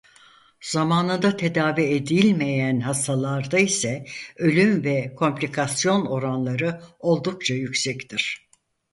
Zamanında tedavi edilmeyen hastalarda ise ölüm ve komplikasyon oranları oldukça yüksektir.